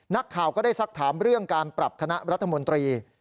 นักข่าวก็ได้สักถามเรื่องการปรับคณะรัฐมนตรี